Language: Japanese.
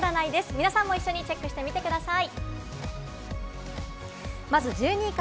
皆さんも一緒にチェックしてみてください。